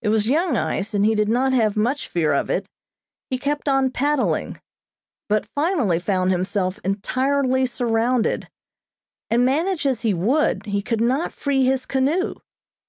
It was young ice, and he did not have much fear of it. He kept on paddling, but finally found himself entirely surrounded, and manage as he would, he could not free his canoe.